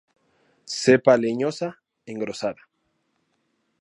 Cepa leñosa, engrosada.